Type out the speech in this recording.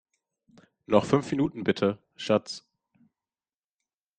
Noch fünf Minuten bitte, Schatz!